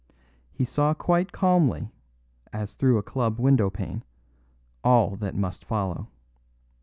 He saw quite calmly, as through a club windowpane, all that must follow.